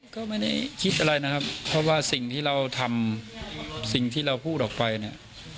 ก็ไม่ได้คิดอะไรนะครับเพราะว่าสิ่งที่เราทำสิ่งที่เราพูดออกไปเนี่ย